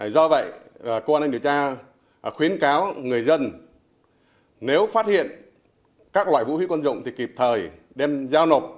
do vậy công an anh điều tra khuyến cáo người dân nếu phát hiện các loại vũ khí quân dụng thì kịp thời đem giao nổ